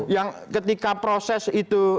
yang ketika proses itu